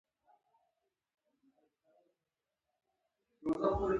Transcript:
د هغه بدن په څېر ده چې روح نه لري.